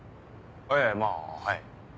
ええまぁはい。